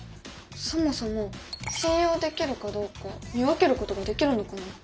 そもそも信用できるかどうか見分けることができるのかな？